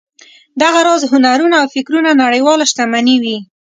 دغه راز هنرونه او فکرونه نړیواله شتمني وي.